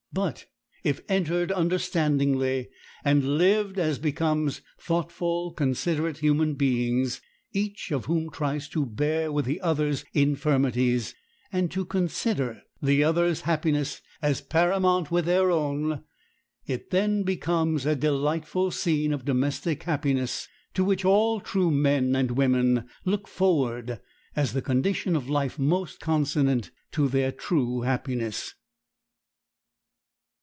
But if entered understandingly, and lived as becomes thoughtful, considerate human beings, each of whom tries to bear with the other's infirmities, and to consider the other's happiness as paramount with their own, it then becomes a delightful scene of domestic happiness, to which all true men and women look forward as the condition of life most consonant to their true happiness.